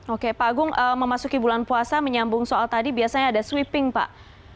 oke pak agung memasuki bulan puasa menyambung soal tadi biasanya ada sweeping pak